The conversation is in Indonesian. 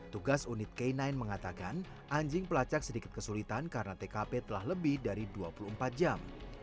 tugas unit k sembilan mengatakan anjing pelacak sedikit kesulitan karena tkp telah lebih dari dua puluh empat jam